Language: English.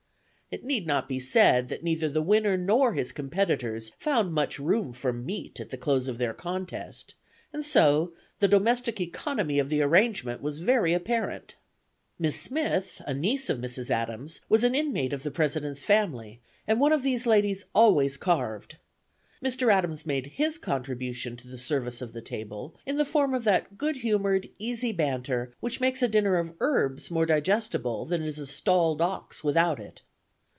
It need not be said that neither the winner nor his competitors found much room for meat at the close of their contest; and so the domestic economy of the arrangement was very apparent. Miss Smith, a niece of Mrs. Adams, was an inmate of the President's family, and one of these ladies always carved. Mr. Adams made his contribution to the service of the table in the form of that good humoured, easy banter, which makes a dinner of herbs more digestible than is a stalled ox without it.